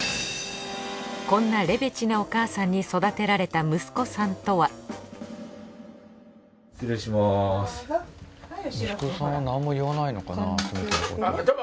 こんなレベチなお母さんに育てられた息子さんとはどうぞ。